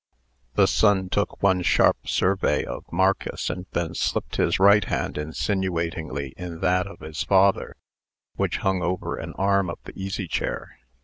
The son took one sharp survey of Marcus, and then slipped his right hand insinuatingly in that of his father, which hung over an arm of the easy chair.